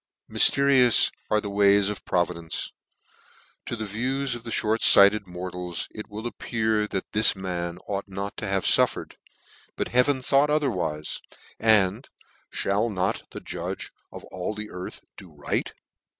Myfterious are the ways of providence ! To the view of inert lighted mortals it will appear that this man ought not to have fnffered : but heaven thought otherwife , and " mail not the Judge of all the earth do right